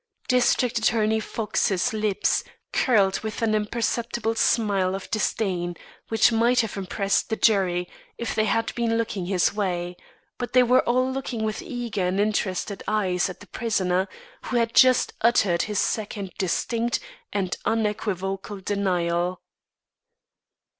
District Attorney Fox's lips curled with an imperceptible smile of disdain, which might have impressed the jury if they had been looking his way; but they were all looking with eager and interested eyes at the prisoner, who had just uttered this second distinct and unequivocal denial.